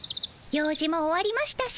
用事も終わりましたし